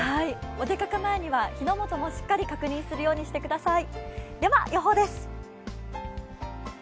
お出かけ前には火の元もしっかり確認するようにしてください。